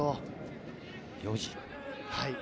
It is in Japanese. ４時。